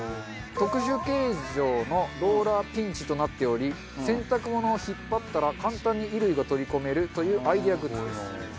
特殊形状のローラーピンチとなっており洗濯物を引っ張ったら簡単に衣類が取り込めるというアイデアグッズです。